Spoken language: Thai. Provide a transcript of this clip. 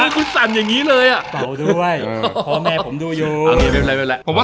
เป่าด้วย